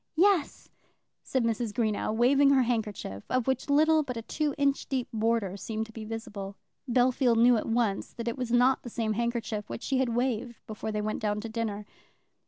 "Yes," said Mrs. Greenow, waving her handkerchief, of which little but a two inch deep border seemed to be visible. Bellfield knew at once that it was not the same handkerchief which she had waved before they went down to dinner.